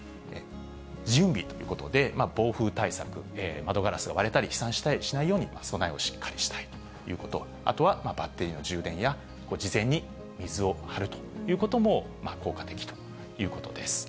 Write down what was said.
準備ということで、暴風対策、窓ガラスが割れたり、飛散したりしないように備えをしっかりしたいということ、あとはバッテリーの充電や、事前に水を張るということも効果的ということです。